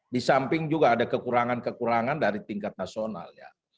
di samping juga ada kekurangan kekurangan dari tingkat nasional ya